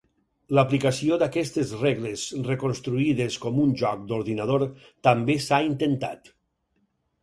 L'aplicació d'aquestes regles reconstruïdes com un joc d'ordinador també s'ha intentat.